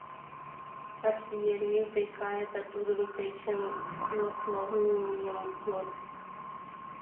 — Архиерей дек кае да тудын дечын «лословньым» йод.